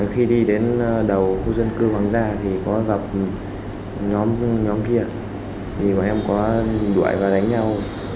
khi đi đến đầu khu dân cư hoàng gia thì có gặp nhóm kia thì bọn em có đuổi và đánh nhau